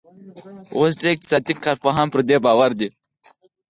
اوس ډېر اقتصادي کارپوهان پر دې باور دي.